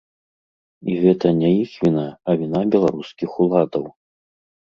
І гэта не іх віна, а віна беларускіх уладаў.